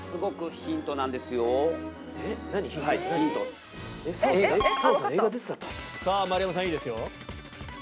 ピンポン丸山さんいいですよ。